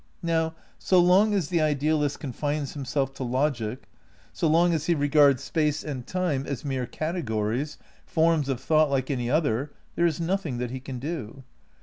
Now so long as the idealist confines himself to logic, so long as he regards Space and Time as mere cate gories, forms of thought like any other, there is nothing that he can do.